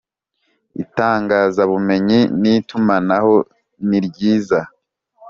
itangazabumenyi n itumanaho niryiza